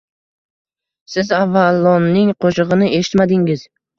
Siz Avalonning qo'shig'ini eshitmadingiz!